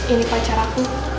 ini pacar aku